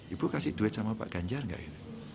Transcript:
ibu kasih duit sama pak ganjar nggak ini